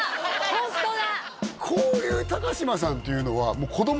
ホントだ！